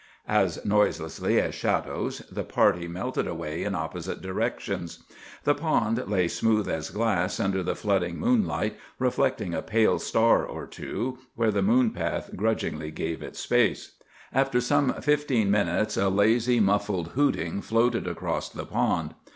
As noiselessly as shadows the party melted away in opposite directions. The pond lay smooth as glass under the flooding moonlight, reflecting a pale star or two where the moon path grudgingly gave it space. After some fifteen minutes a lazy, muffled hooting floated across the pond.